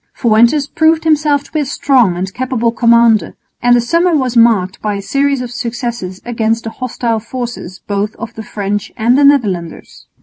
_ Fuentes proved himself to be a strong and capable commander; and the summer was marked by a series of successes against the hostile forces both of the French and the Netherlanders.